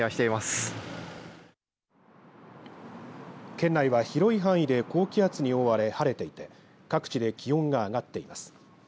県内は広い範囲で高気圧に覆われ晴れていて各地で気温が上がっています。